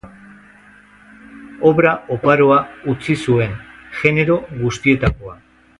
Obra oparoa utzi zuen, genero guztietakoa.